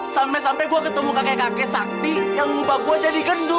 sampai sampai gue ketemu kakek kakek sakti yang ngubah gue jadi kendu